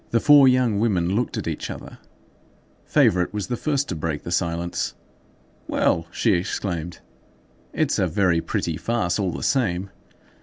The four young women looked at each other. Favourite was the first to break the silence. "Well!" she exclaimed, "it's a very pretty farce, all the same."